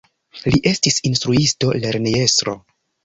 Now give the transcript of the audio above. Li estis instruisto, lernejestro.